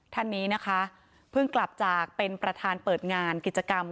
ท่านนี้นะคะเพิ่งกลับจากเป็นประธานเปิดงานกิจกรรม